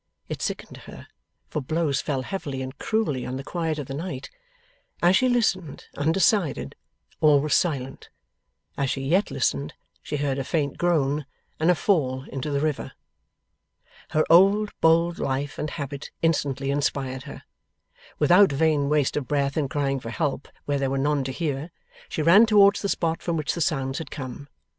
It sickened her, for blows fell heavily and cruelly on the quiet of the night. As she listened, undecided, all was silent. As she yet listened, she heard a faint groan, and a fall into the river. Her old bold life and habit instantly inspired her. Without vain waste of breath in crying for help where there were none to hear, she ran towards the spot from which the sounds had come.